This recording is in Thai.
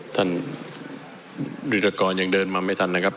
ท่านวิรกรยังเดินมาไม่ทันนะครับ